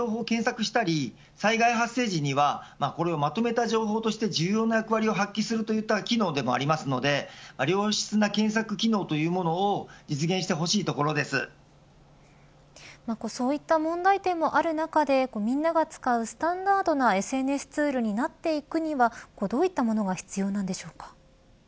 ツイッターでは投稿から必要な情報を検索したり災害発生時にはこれをまとめた情報として重要な役割を発揮するといった機能でもありますので良質な検索機能というものをそういった問題点もある中でみんなが使うスタンダードなＳＮＳツールになっていくにはどういったものが必要なんでしょうか。